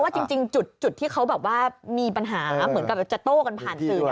จริงจุดที่เขาแบบว่ามีปัญหาเหมือนกับจะโต้กันผ่านสื่อ